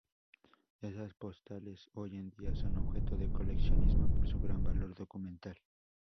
Esas postales hoy en día son objeto de coleccionismo, por su gran valor documental.